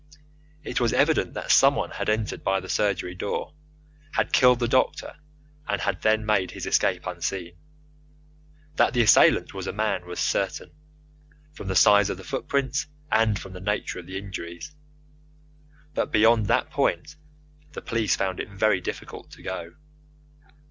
It was evident that someone had entered by the surgery door, had killed the doctor, and had then made his escape unseen. That the assailant was a man was certain, from the size of the footprints and from the nature of the injuries. But beyond that point the police found it very difficult to go.